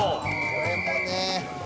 これもね